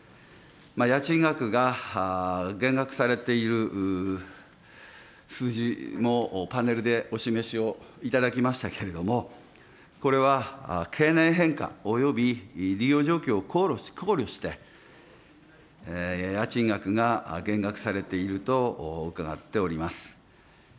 家賃額が減額されている数字もパネルでお示しをいただきましたけれども、これは経年変化、および利用状況を考慮して、家賃額が減額されていると伺っております。